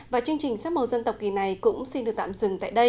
và chương trình sắc màu dân tộc kỳ này cũng xin được tạm dừng tại đây